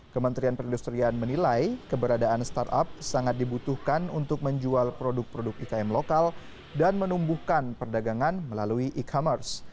kementerian perindustrian menilai keberadaan startup sangat dibutuhkan untuk menjual produk produk ikm lokal dan menumbuhkan perdagangan melalui e commerce